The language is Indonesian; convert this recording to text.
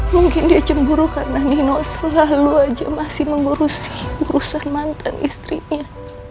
mungkin dia cemburu karena nino selalu saja masih mengurusi urusan mantan istrinya